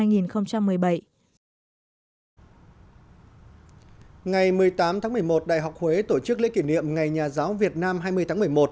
ngày một mươi tám tháng một mươi một đại học huế tổ chức lễ kỷ niệm ngày nhà giáo việt nam hai mươi tháng một mươi một